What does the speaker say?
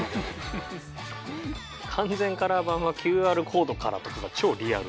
「完全カラー版はＱＲコードから！」とかが超リアル。